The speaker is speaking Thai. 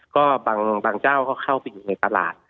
ก็บางเจ้าก็เข้าไปอยู่ในตลาด